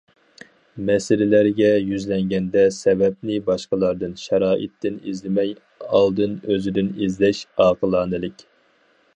مەسىلىلەرگە يۈزلەنگەندە، سەۋەبنى باشقىلاردىن، شارائىتتىن ئىزدىمەي، ئالدىن ئۆزىدىن ئىزدەش ئاقىلانىلىك.